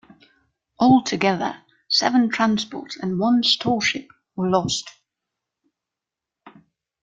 Altogether, seven transports and one storeship were lost.